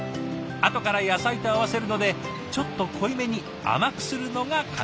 後から野菜と合わせるのでちょっと濃いめに甘くするのが金井さん流。